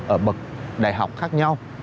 ở bậc đại học khác nhau